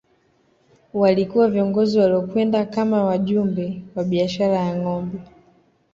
Walikuwa viongozi waliokwenda kama wajumbe wa biashara ya ngombe